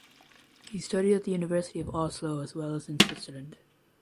He studied at the University of Oslo as well as in Switzerland.